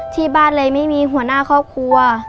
ที่บ้านเลยไม่มีหัวหน้าครอบครัว